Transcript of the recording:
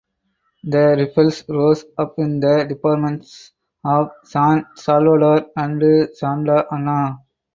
The rebels rose up in the departments of San Salvador and Santa Ana.